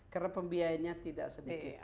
karena pembiayanya tidak sedikit